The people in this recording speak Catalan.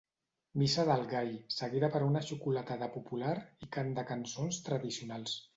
Missa del Gall, seguida per una xocolatada popular i cant de cançons tradicionals.